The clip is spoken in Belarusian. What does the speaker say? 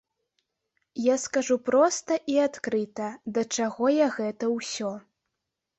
Я скажу проста і адкрыта, да чаго я гэта ўсё.